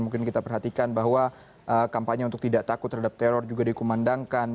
mungkin kita perhatikan bahwa kampanye untuk tidak takut terhadap teror juga dikumandangkan